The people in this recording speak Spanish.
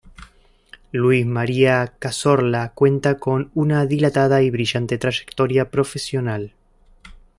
Luis María Cazorla cuenta con una dilata y brillante trayectoria profesional.